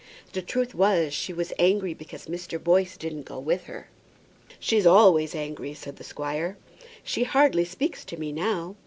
The truth was, she was angry because Mr. Boyce didn't go with her." "She's always angry," said the squire. "She hardly speaks to me now.